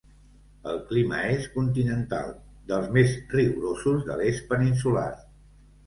El clima és continental, dels més rigorosos de l'est peninsular.